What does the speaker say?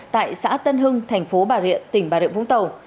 tại xã tân hưng thành phố bà riện tỉnh bà riện vũng tàu